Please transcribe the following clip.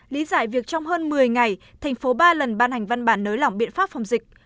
lý giải việc trong hơn một mươi ngày thành phố ba lần ban hành văn bản nới lỏng biện pháp phòng dịch